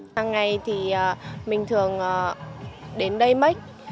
hằng ngày thì mình thường đến đây mếch